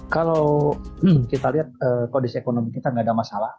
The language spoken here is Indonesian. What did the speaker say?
kalau kita lihat kondisi ekonomi kita tidak ada masalah